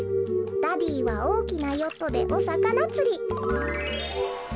ダディーはおおきなヨットでおさかなつり」。